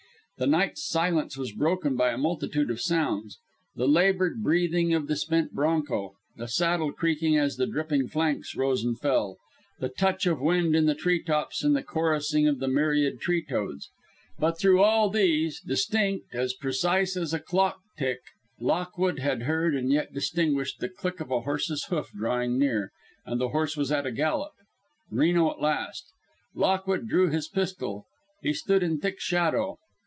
The night's silence was broken by a multitude of sounds the laboured breathing of the spent bronco, the saddle creaking as the dripping flanks rose and fell, the touch of wind in the tree tops and the chorusing of the myriad tree toads. But through all these, distinct, as precise as a clock tick, Lockwood had heard, and yet distinguished, the click of a horse's hoof drawing near, and the horse was at a gallop: Reno at last. Lockwood drew his pistol. He stood in thick shadow.